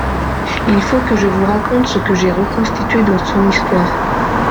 Il faut que je vous raconte ce que j’ai reconstitué de son histoire.